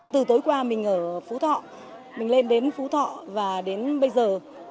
từ tối qua mình ở phú thọ mình lên đến phú thọ và đến bây giờ